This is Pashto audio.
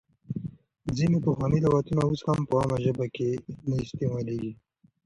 ځینې پخواني لغاتونه اوس په عامه ژبه کې نه استعمالېږي.